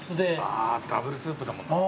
あーダブルスープだもんな。